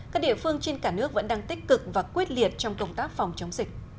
các địa phương trên cả nước vẫn đang tích cực và quyết liệt trong công tác phòng chống dịch